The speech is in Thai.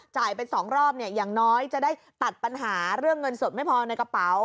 จ่ายไป๒รอบเรียงน้อยจะได้ตัดปัญหาเรื่องเงินสดไม่พอในกระเป๋า